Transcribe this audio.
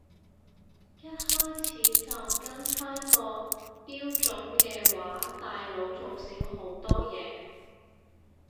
一開始就跟返個標準嘅話大佬做少好多嘢